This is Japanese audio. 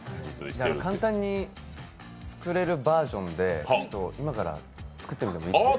簡単に作れるバージョンで今から作っていいですか？